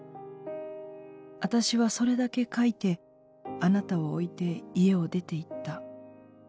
「あたしはそれだけ書いてあなたを置いて家を出て行った」。